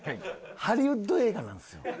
ハリウッド映画なんですよ。